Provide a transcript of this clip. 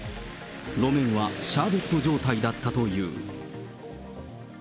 路面はシャーベット状態だったという。